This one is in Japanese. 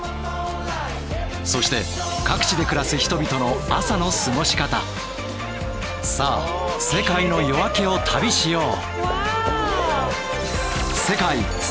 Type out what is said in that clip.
そして各地で暮らす人々のさあ世界の夜明けを旅しよう。